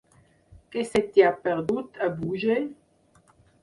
Què se t'hi ha perdut, a Búger?